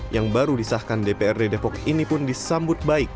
yang baru disahkan dprd depok ini pun disambut baik